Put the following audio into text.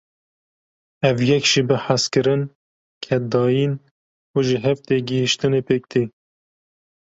Ev yek jî bi hezkirin, keddayîn û jihevtêgihaştinê pêk tê.